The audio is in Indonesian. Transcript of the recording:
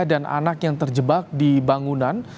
dan anak yang terjebak di bangunan